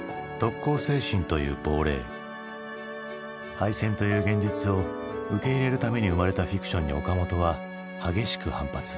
敗戦という現実を受け入れるために生まれたフィクションに岡本は激しく反発。